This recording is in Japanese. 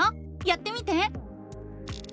やってみて！